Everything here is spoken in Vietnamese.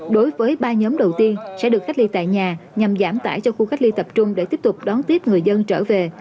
đối với ba nhóm đầu tiên sẽ được cách ly tại nhà nhằm giảm tải cho khu cách ly tập trung để tiếp tục đón tiếp người dân trở về